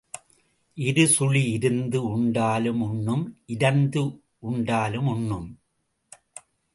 இரு சுழி இருந்து உண்டாலும் உண்ணும், இரந்து உண்டாலும் உண்ணும்.